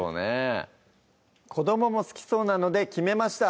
子どもも好きそうなので決めました